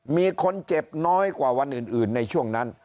มีคนเจ็บน้อยกว่าวันอื่นในช่วงนั้น